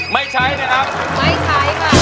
ไม่ใช่ค่ะ